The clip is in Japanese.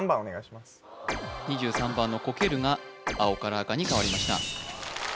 ２３番の「こける」が青から赤に変わりました